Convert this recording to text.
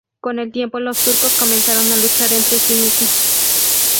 Con el tiempo los turcos comenzaron a luchar entre sí mismos.